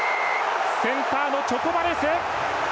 センターのチョコバレス。